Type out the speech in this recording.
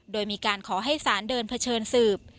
โดยมีการขอให้สารเดินเผชิญสืบ